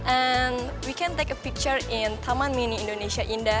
and weekend take a picture in taman mini indonesia indah